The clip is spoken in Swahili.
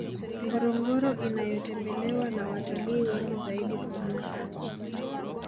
ngorongoro inayotembelewa na watalii wengi zaidi kwa mwaka